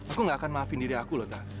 aku nggak akan maafin diri aku loh tak